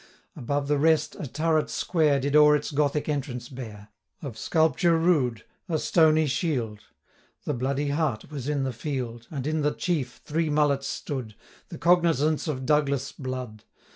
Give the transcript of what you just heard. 30 Above the rest, a turret square Did o'er its Gothic entrance bear, Of sculpture rude, a stony shield; The Bloody Heart was in the Field, And in the chief three mullets stood, 35 The cognizance of Douglas blood.